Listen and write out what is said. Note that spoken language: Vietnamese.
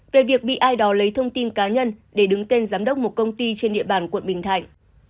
về việc bị ai đó lấy thông tin cá nhân để đứng tên giám đốc một công ty trên địa bàn quận bình thạnh